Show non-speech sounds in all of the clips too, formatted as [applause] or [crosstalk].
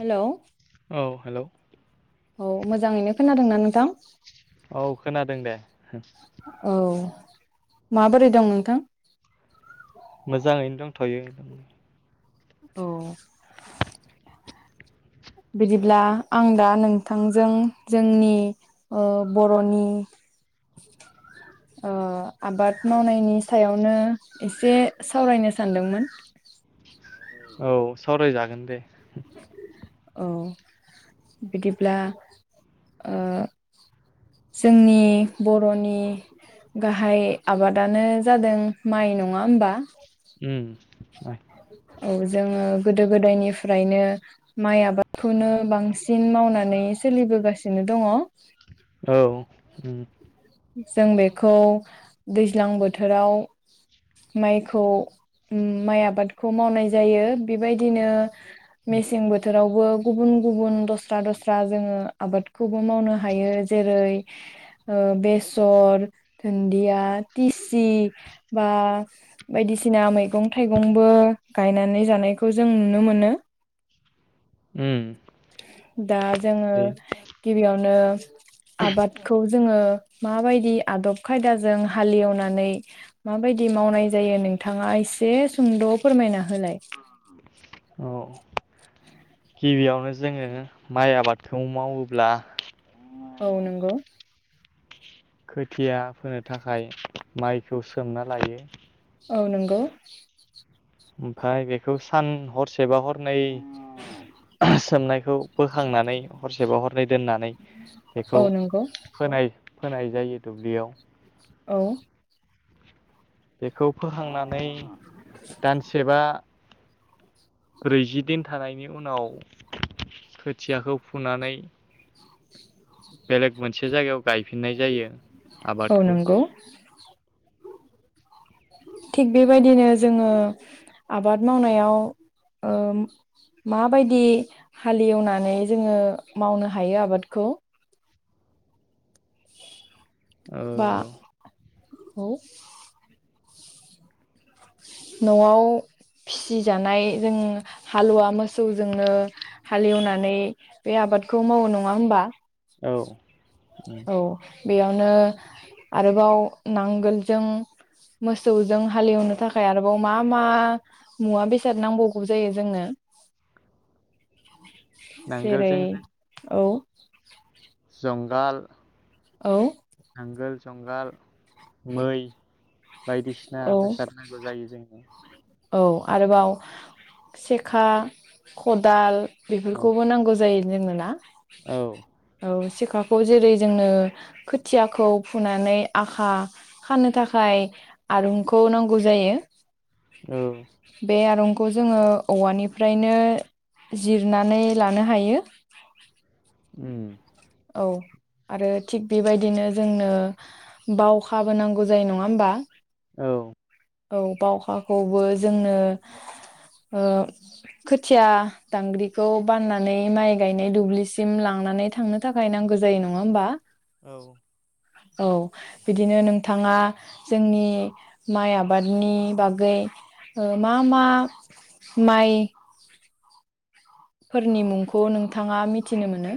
Hello औ hello औ मोजाङैनो खोनादोंना नोंथां? औ खोनादों दे। औ। माबोरै दं नोंथां? मोजाङैनो दंथ'यो उम औ बिदिब्ला आं दा नोंथांजों जोंनि ओ बर'नि ओ आबाद मावनायनि सायावनो एसे सावरायनो सानदोंमोन औ सावरायजागोन दे औ बिदिब्ला ओ जोंनि बर'नि गाहाय आबादानो जादों माइ नङा ओमबा माइ औ जोङो गोदो गोदायनिफ्रायनो माइ आबादखौनो बांसिन मावनानै सोलिबोगासिनो दङ' औ उम जों बेखौ दैज्लां बोथोराव माइखौ उम माइ आबादखौ मावनाय जायो बेबायदिनो मेसें बोथोरावबो गुबुन गुबुन दस्रा दस्रा जोङो आबादखौबो मावनो हायो जेरै ओ बे सर धोन्दिया टिसि बा बायदिसिना मैगं -थाइगंबो गायनानै जानायखौ जों नुनो मोनो उम दा जोङो दे गिबियावनो [unintelligible] आबादखौ जोङो माबायदि आदब खायदाजों हालेवनानै माबायदि मावनाय जायो नोंथाङा एसे सुंद' फोरमायना होलाय आ आ औ गिबियावनो जोङो माइ आबादखौ मावोब्ला औ नंगौ खोथिया फोनो थाखाय माइखौ सोमना लायो। औ नंगौ ओफ्राय बेखौ सान हरसेबा हरनै सोमनायखौ बोखांनानै हरसेबा हर दोननानै बेखौ औ नंगौ फोनाय फोनाय जायो दुब्लियाव औ बेखौ फोहांनानै दानसेबा ब्रैजि दिन थानायनि उनाव खोथियाखौ फुनानै बेलेग मा से जायगायाव गायफिननाय जायो औ आबादखौ नंगौ थिग बेबायदिनो जोङो आबाद मावनायाव ओ माबायदि हालेवनानै जोङो मावनो हायो आबादखौ बा औ औ न'आव फिसिजानाय जों हालुवा मोसौ जोंनो हालेवनानै बे आबादखौ मावो नङा होमबा औ औ बेयावनो आरोबाव नांगोलजों मोसौजों हालेवनो थाखाय आरोबाव मा मा मुवा बेसाद नांबावगौ जायो जोंनो जेरै नांगोलजों औ जंगाल औ नांगोल जंगाल मै बायदिसिना औ बेसाद नांगौ जायो जोंनो औ आरोबाव सेखा खदाल औ बेफोरखौबो नांगौ जायो। जोंनो ना औ औ सि आखाखौ जेरै जोंनो खोथियाखौ फुनानै आखा खानानो थाखाय आरुंखौ नांगौ जायो। औ बे आरंखौ जोङो औवानिफ्रायनो जिरनानै लानो हायो। उम औ आरो थिग बेबायदिनो जोंनो बावखाबोनांगौ जायो नङा होमबा? औ औ बावखाखौबो जोंनो ओ खोथिया दांग्रिखौ बाननानै माइ गायनाय दुब्लिसिम लांनानै थांनो थाखाय नांगो जायो नङा होमबा? औ औ बिदिनो नोंथाङा जोंनि माइ आबादनि बागै ओ मा मा माइ फोरनि मुंखौ नोंथाङा मिथिनो मोनो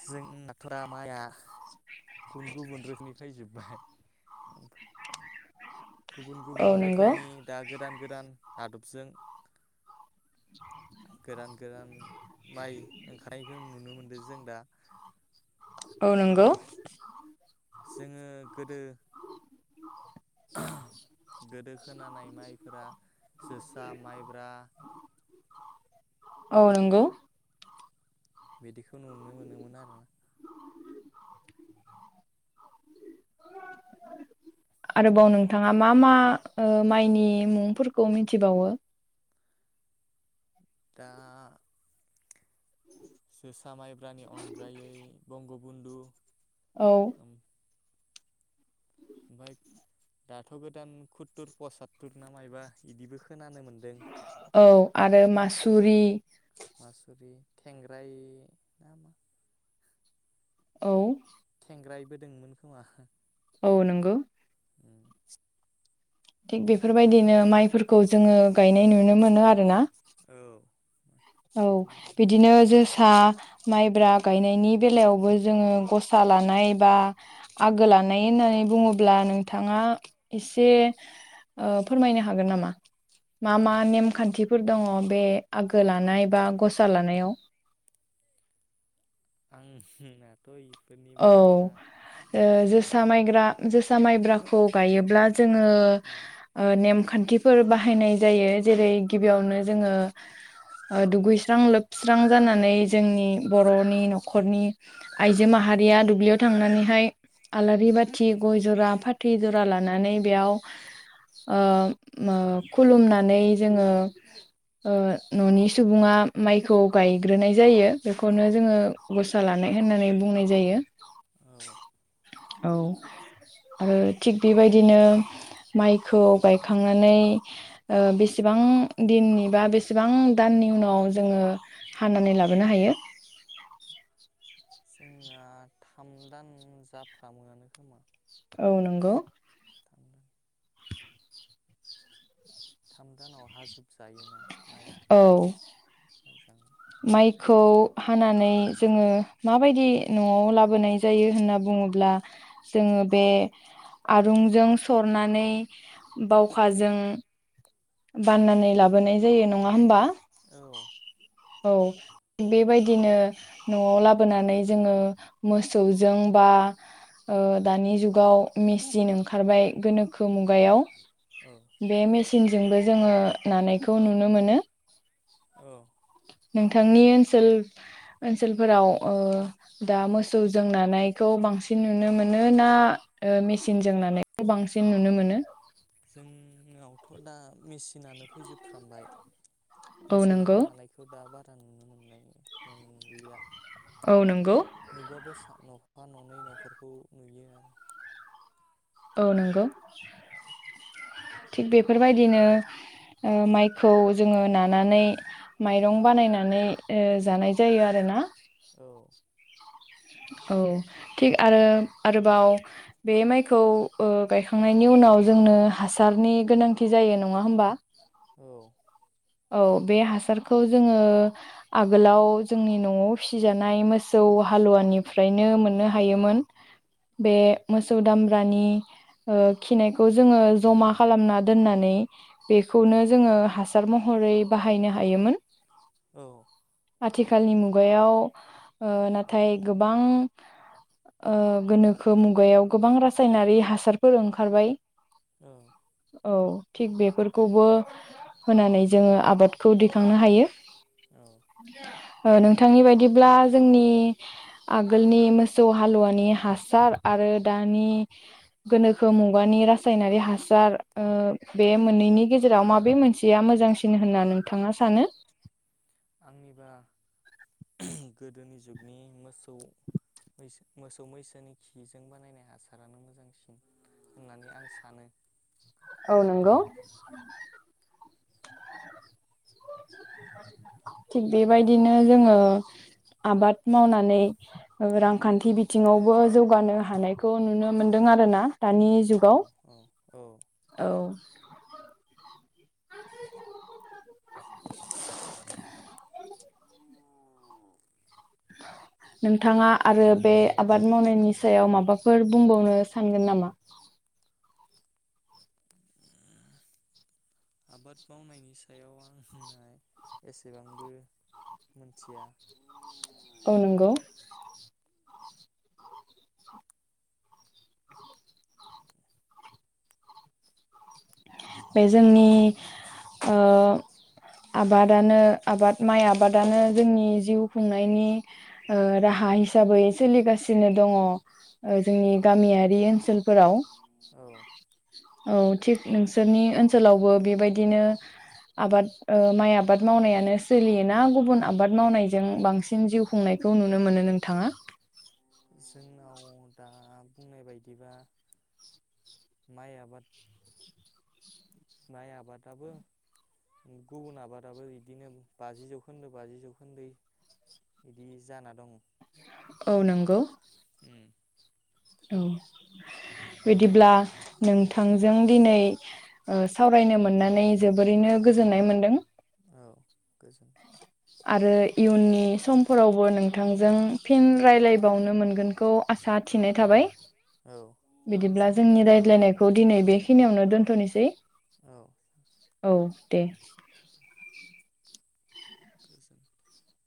जों नाथुरा माइआ गुबुन गुबुन रोखोमनि फैजोबबाय गुबुन औ गुबुन नंगौ रोखोमनि दा गोदान गोदान आदबजों गोदान गोदान माइ ओंखारनायखो नुनो मोनदों जों दा औ नंगौ ओमफाय जोङो गोदो गोदो खोनानाय माइफोरा जोसा माइब्रा औ बे नोंगौ बिदिखौ नुनो मोनोमोन आरो आरोबाव नोंथाङा मा मा ओ माइनि मुंफोरखौ मिथिबावो? दा जोस सा मायब्रानि अनगायै बंग' बुन्दु औ ओमफाय दाथ' गोदान खुत्तुर पसातुर ना मायबा इदिबो खोनानो मोन औ आरो मासुरि [unintelligible] मासुरि थेंग्राय नामा औ ग्रायबो दोंमोन खोमा। औ नोंगौ। उम थिग बेफोरबायदिनो माइफोरखौ जोङो गायनाय नुनो मोनो आरो ना। औ औ बिदिनो गाय बिदिनो जोस सा माइब्रा गायनायनि बेलायावबो जोङो गसा लानाय बा आगो लानाय होननानै बुङोब्ला नोंथाङा एसे ओ फोरमायनो हागोन नामा? मा मा उम नेमखान्थिफोर दङ बे आगोला नाय बा गसा लानायाव आं [unintelligible] औ ओ नलेज जोसा गैयामोन माइग्रा जोसा माइब्रा खौ गायोब्ला जोङो ओ नेमखान्थि फोर बाहायनाय जायो जेरै गिबियावनो जोङो ओ दुगैस्रां लोबस्रां जानानै जोंनि बर'नि न'खरनि आइजो माहा रिया दुब्लियाव थांनानैहाय आलारि बाथि गय जरा फाथै जरा लानानै बेयाव ओ ओ खुलुमनानै जोङो ओ न'नि सुबुङा माइखौ गायग्रोनाय जायो बेखौनो जोङो गसा लानाय होननानै बुंनाय जायो। बुंनाय जायो औ औ औ आरो थिग बेबायदिनो माइखौ गायखांनानै ओ बेसेबां दिननि बा बेसेबां दाननि उनाव जोङो हानानै लाबोनो हायो जोंना थाम दान जाफ्रामोआनो खोमा। औ नोंगौ। थाम दान थाम दानाव हाजोब जायोना माया औ। मोजाङै माइखौ हानानै जोङो माबायदि न'आव लाबोनाय जायो होनना बुङोब्ला जोङो बे आरुंजों सरनानै बावखाजों बाननानै लाबोनाय जायो नङा होमबा? औ औ बेबायदिनो न'आव लाबोनानै जोङो मोसौजों बा ओ दानि जुगाव मेचिन ओंखारबाय गोनोखो मुगायाव। औ बे मेसि न जोंबो जोङो नानायखौ नुनो मोनो। औ नों थांनि ओनसोल ओनसोलफोराव ओ दा मोसौजों नानायखौ बांसिन नुनो मोनो ना ओ मेसिनजों नानायखौ बांसिन नुनो मोनो? जों नावथ' दा मेसिनानो फैजोबफ्रामबाय औ मोसौजों नंगौ नानायखौ दाबा [unintelligible] नुनो मोननाय मोनलिया। औ नंगौ। नुबाबो सा न'फा न'नै न'खरखौ नुयो। औ नोंगौ, थिग बेफोरबायदिनो ओ माइखौ जोङो नानानै माइरं बानायनानै ओ जानाय जायो आरोना। आरो औ औ थिग आरो आरोबाव बे माइखौ ओ गायखांनायनि उनाव जोंनो हासारनि गोनांथि जायो नङा होमबा? औ औ बे हासारखौ जोङो आगोलाव जोंनि न'आव फिसिजानाय मोसौ हालुवानिफ्रायनो मोननो हायोमोन, बे मोसौ दामब्रानि ओ खिनायखौ जोङो जमा खालामना दोननानै बेखौनो जोङो हासार महर महरै बाहायनो हायोमोन। औ आथिखालनि मुगायाव ओ नाथाय गोबां ओ गोनोखो मुगायाव गोबां रासायनारि हासारफोर ओंखारबाय। औ औ। थिग बेफोरखौबो होनानै जोङो आबादखौ दैखांनो हायो। औ [unintelligible] ओ नोंथांनि बायदिब्ला जोंनि आगोलनि मोसौ हालुवानि हासार आरो दानि गोनोखो मुगानि रासायनारि हासार ओ बे मोननैनि गेजेराव माबे मोनसेया मोजांसिन? सिन होनना नोंथाङा सानो? आंनिबा गोदोनि जुगनि मोसौ मैसो मोसौ मैसोनि खिजों बानायनाय हासारानो मोजांसिन होननानै आं सानो। औ नंगौ। थिग बेबायदिनो जोङो आबाद मावनानै रांखान्थि बिथिङावबो जौगानो हानायखौ नुनो मोनदों आरो ना दानि औ जुगाव। औ औ। औ [inaudible] [unintelligible] [inaudible] [unintelligible] नोंथाङा आरो बे आबाद मावनायनि सायाव माबाफोर बुंबावनो सानगोन नामा? आबाद मावनायनि सायाव आं एसेबांबो मोनथिया औ नंगौ। बे जोंनि ओ आबादानो आबाद माइ आबादानो जोंनि जिउ खुंनायनि राहा हिसाबै सोलिगासिनो दङ। जोंनि औ गामियारि ओनसोल फोराव औ औ थिग नोंसोरनि ओनसोलावबो बेबायदिनो आबाद माइ आबाद मावनायानो सोलियोना गुबुन आबाद मावनायजों बांसिन जिउ खुंनायखौ नुनो मोनो नोंथाङा। जोंनाव दा बुंनाय बायदिबा माइ आबाद माइ आबादाबो गुबुन आबादाबो बिदिनो बाजि जौखोन्दो बाजि जौखोन्दै बिदि जाना दं। औ नंगौ। उम। औ बिदिब्ला नोंथांजों दिनै सावरायनो मोननानै जोबोरैनो गोजोननाय मोन्दों। औ गोजोन आरो इयुननि समफोरावबो नोंथांजों फिन राय्लायबावनो मोनगोनखौ आसा थिनाय थाबाय। औ बिदिब्ला गोजोन जोंनि रायज्लायनायखौ दिनै बेखिनियावनो दोन्थ'नोसै। औ औ दे। [inaudible] [unintelligible]